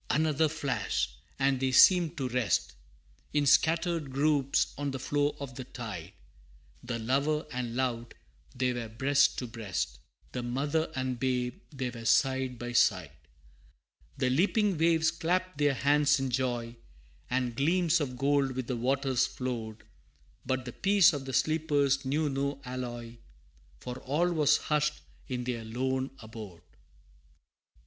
Another flash! and they seemed to rest, In scattered groups, on the floor of the tide: The lover and loved, they were breast to breast, The mother and babe, they were side by side. The leaping waves clapped their hands in joy, And gleams of gold with the waters flowed, But the peace of the sleepers knew no alloy, For all was hushed in their lone abode! V.